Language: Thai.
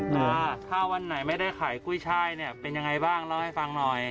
ตาถ้าวันหน่อยไม่ได้ขายกล้วยช่ายนี่เป็นอย่างไรบ้างเล่าให้ฟังหน่อย